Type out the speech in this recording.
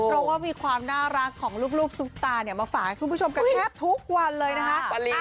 เพราะว่ามีความน่ารักของลูกซุปตามาฝากให้คุณผู้ชมกันแทบทุกวันเลยนะคะ